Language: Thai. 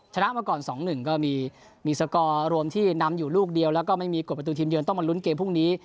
ชนะมาก่อน๒๑ก็มีสกอร์รวมที่นำอยู่ลูกเดียวแล้วก็ไม่มีกฎประตูทีมเยือนต้องมาลุ้นเกมพรุ่งนี้